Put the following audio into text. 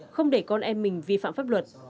không để con em mình vi phạm pháp luật